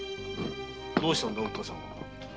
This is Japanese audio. どうしたんだおっかさんは？